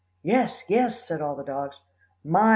"Yes! yes!" said all the dogs. "My!